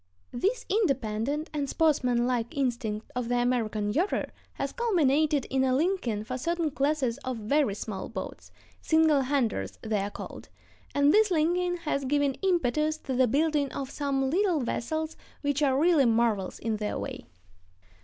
This independent and sportsmanlike instinct of the American yachter has culminated in a liking for certain classes of very small boats,—"single handers" they are called,—and this liking has given impetus to the building of some little vessels which are really marvels in their way.